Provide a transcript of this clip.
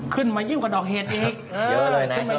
ขึ้นมายิ่งกว่าดอกเหนียนอีก